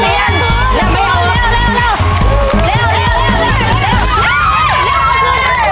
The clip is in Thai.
เวลาหนูแล้วที่๓รู้เรื่องเลยที่นี่นะครับ